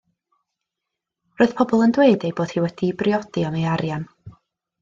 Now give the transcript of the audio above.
Roedd pobl yn dweud ei bod hi wedi'i briodi am ei arian.